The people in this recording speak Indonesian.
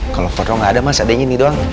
kalau foto nggak ada mas ada yang ini doang